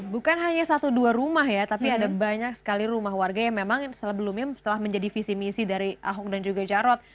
bukan hanya satu dua rumah ya tapi ada banyak sekali rumah warga yang memang sebelumnya setelah menjadi visi misi dari ahok dan juga jarot